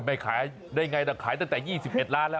ไม่ขายได้ไงแต่ขายตั้งแต่๒๑ล้านแล้ว